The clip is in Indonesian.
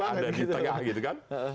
ada di tengah gitu kan